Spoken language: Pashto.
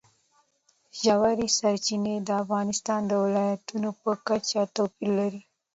ژورې سرچینې د افغانستان د ولایاتو په کچه توپیر لري.